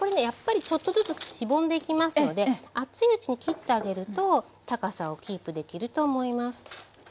やっぱりちょっとずつしぼんでいきますので熱いうちに切ってあげると高さをキープできると思います。